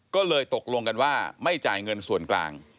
ก็เลยตกลงกันว่าไม่จ่ายเงินส่วนกลาง